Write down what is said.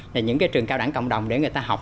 là những cái trường cao đẳng cộng đồng để người ta học